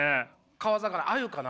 川魚鮎かな？